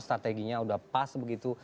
strateginya sudah pas begitu